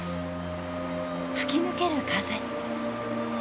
吹き抜ける風。